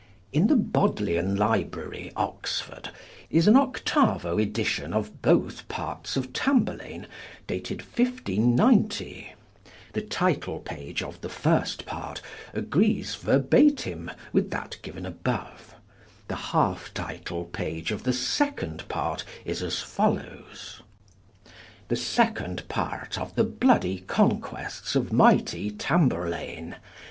In the Bodleian Library, Oxford, is an 8vo edition of both PARTS OF TAMBURLAINE, dated 1590: the title page of THE FIRST PART agrees verbatim with that given above; the half title page of THE SECOND PART is as follows; The Second Part of The bloody Conquests of mighty Tamburlaine.